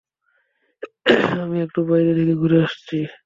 আমি একটু বাইরে থেকে ঘুরে আসছি।